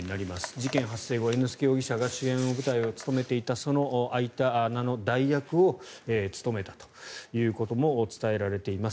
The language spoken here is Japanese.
事件発生後、猿之助容疑者が主演舞台を務めていたその開いた穴の代役を務めたということも伝えられています。